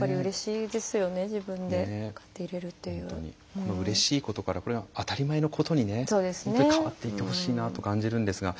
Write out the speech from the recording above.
このうれしいことからこれが当たり前のことに本当に変わっていってほしいなと感じるんですが。